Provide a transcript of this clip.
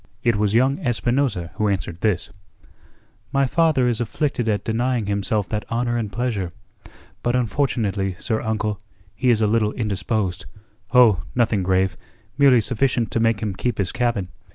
It was young Espinosa who answered this: "My father is afflicted at denying himself that honour and pleasure. But unfortunately, sir uncle, he is a little indisposed oh, nothing grave; merely sufficient to make him keep his cabin.